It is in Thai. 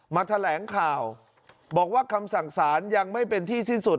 แถลงข่าวบอกว่าคำสั่งสารยังไม่เป็นที่สิ้นสุด